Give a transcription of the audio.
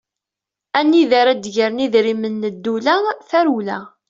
Anida ara d-gren idrimen n ddewla, tarewla!